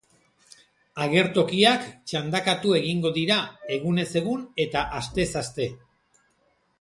Agertokiak txandakatu egingo dira, egunez egun eta astez aste.